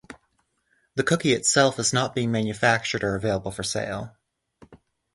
The cookie itself is not being manufactured or available for sale.